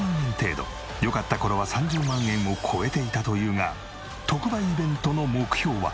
良かった頃は３０万円を超えていたというが特売イベントの目標は？